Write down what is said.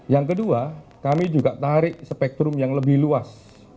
yang kedua kami juga tarik spektrum yang lebih luas